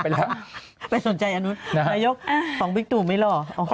ไม่สนใจอันนู้นระยกสองบิ๊กตูไม่หลอก